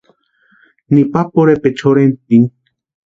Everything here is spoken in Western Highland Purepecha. Nipa pʼorhepecha jorhentpeni.